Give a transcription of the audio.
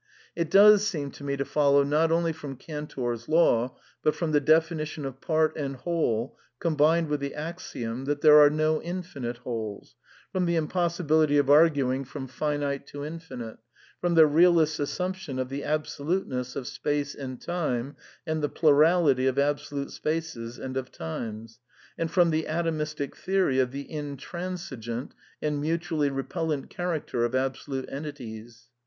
It does seem to me to follow, not only from Cantor's law, but from the definition of part and whole, combined with the axiom, that there are no infinite wholes ; from the impos sibility of arguing from finite to infinite; from the real ist's assumption of the absoluteness of space and time, and the plurality of absolute spaces and of times; and fromj the atomistic theory of the intransigeant and mutually | repellent character of absolute entities.